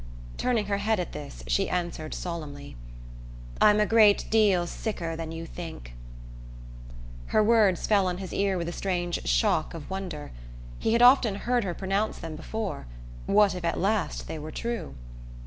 Turning her head at this, she answered solemnly: "I'm a great deal sicker than you think." Her words fell on his ear with a strange shock of wonder. He had often heard her pronounce them before what if at last they were true?